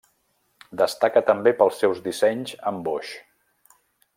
Destaca també pels seus dissenys amb boix.